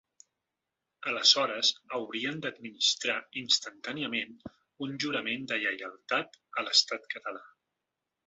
Aleshores haurien d’administrar instantàniament un jurament de lleialtat a l’estat català.